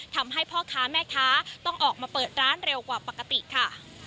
ทำให้พ่อค้าแม่ค้าต้องออกมาเปิดร้านเร็วกว่าปกติค่ะ